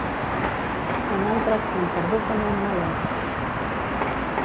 Un altre accent perdut a Montmeló